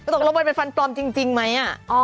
ตกลงมันเป็นฟันปลอมจริงไหม